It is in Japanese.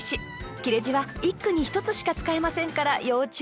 切れ字は一句に一つしか使えませんから要注意ですよ。